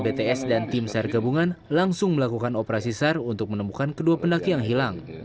bts dan tim sar gabungan langsung melakukan operasi sar untuk menemukan kedua pendaki yang hilang